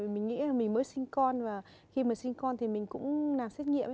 mình nghĩ là mình mới sinh con và khi mà sinh con thì mình cũng làm xét nghiệm